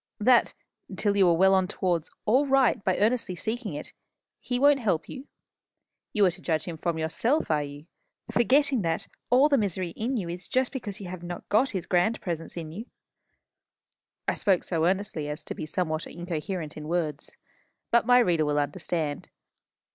that, till you are well on towards all right by earnestly seeking it, he won't help you? You are to judge him from yourself, are you? forgetting that all the misery in you is just because you have not got his grand presence with you?" I spoke so earnestly as to be somewhat incoherent in words. But my reader will understand.